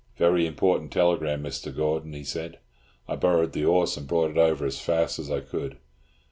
"Very important telegram, Mr. Gordon," he said. "I borrowed the horse, and brought it over as fast as I could."